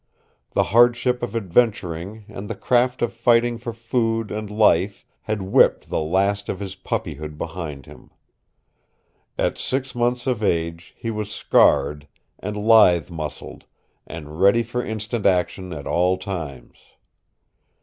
The hardship of adventuring and the craft of fighting for food and life had whipped the last of his puppyhood behind him At six months of age he was scarred, and lithe muscled, and ready for instant action at all times.